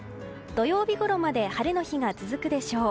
土曜日ごろまで晴れの日が続くでしょう。